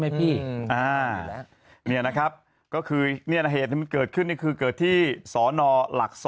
ไหมพี่นี่นะครับก็คือเหตุมันเกิดขึ้นนี่คือเกิดที่สนหลัก